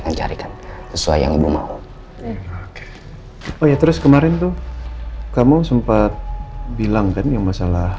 mencarikan sesuai yang mau oh ya terus kemarin tuh kamu sempat bilang kan yang masalah